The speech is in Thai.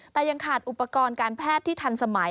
แต่ยังขาดอุปกรณ์การแพทย์ที่ทันสมัย